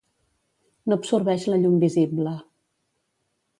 No absorbeix la llum visible.